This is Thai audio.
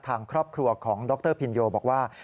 ทางครอบครัวของดรพินโยบอกว่า